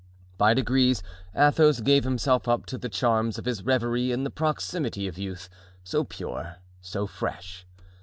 By degrees Athos gave himself up to the charms of his reverie in the proximity of youth, so pure, so fresh.